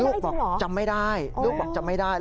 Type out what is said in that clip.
ลูกบอกจำไม่ได้ลูกบอกจำไม่ได้